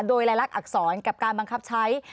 โดยรายลักษณอักษรกับการบังคับใช้